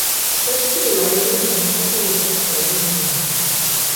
Շեքսպիրը լայնորեն ընդունված է որպես պոեմի հեղինակ։